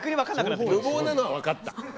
無謀なのは分かった。